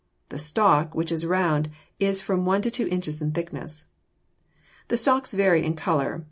The stalk, which is round, is from one to two inches in thickness. The stalks vary in color.